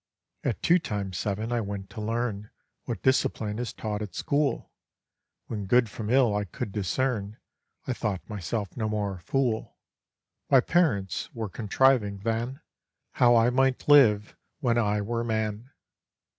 At two times seven I went to learn What discipline is taught at school: When good from ill I could discern, I thought myself no more a fool: My parents were contriving than, How I might live when I were man.